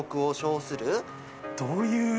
どういう。